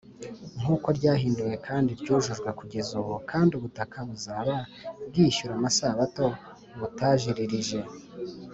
nk uko ryahinduwe kandi ryujujwe kugeza ubu kandi ubutaka buzaba bwishyura amasabato butajiririje